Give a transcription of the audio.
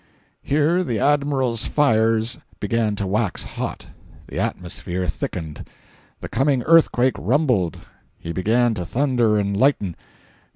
Here the Admiral's fires began to wax hot, the atmosphere thickened, the coming earthquake rumbled, he began to thunder and lighten.